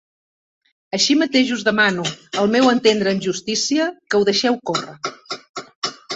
Així mateix us demano, al meu entendre amb justícia, que ho deixeu córrer.